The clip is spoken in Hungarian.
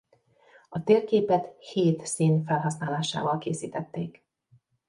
A térképet hét szín felhasználásával készítették.